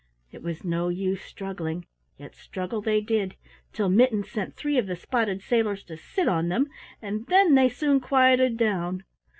It was no use struggling, yet struggle they did, till Mittens sent three of the spotted sailors to sit on them, and then they soon quieted down.